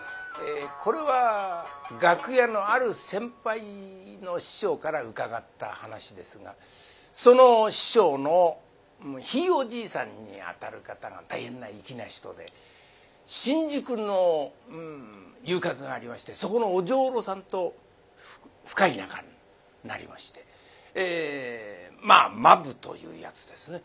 これは楽屋のある先輩の師匠から伺った話ですがその師匠のひいおじいさんにあたる方が大変な粋な人で新宿の遊郭がありましてそこのお女郎さんと深い仲になりましてまあ間夫というやつですね。